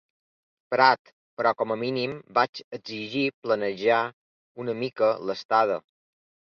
Prat, però com a mínim vaig exigir planejar una mica l'estada.